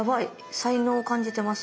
才能感じてます